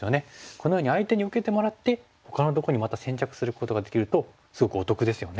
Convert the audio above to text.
このように相手に受けてもらってほかのところにまた先着することができるとすごくお得ですよね。